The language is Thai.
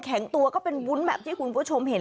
ตัวก็เป็นวุ้นแบบที่คุณผู้ชมเห็น